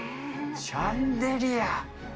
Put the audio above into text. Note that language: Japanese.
シャンデリア。